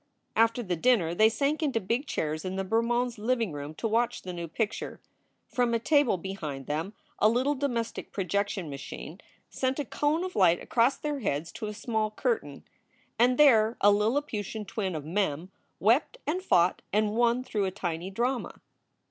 After the dinner they sank into big chairs in the Ber monds living room to watch the new picture. From a table behind them a little domestic projection machine sent a cone SOULS FOR SALE 327 of light across their heads to a small curtain. And there a Lilliputian twin of Mem wept and fought and won through a tiny drama.